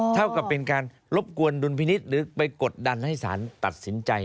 เท่ากับเป็นการรบกวนดุลพินิษฐ์หรือไปกดดันให้สารตัดสินใจ